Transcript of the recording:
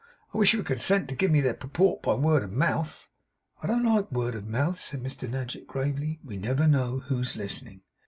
'I wish you would consent to give me their purport by word of mouth.' 'I don't like word of mouth,' said Mr Nadgett gravely. 'We never know who's listening.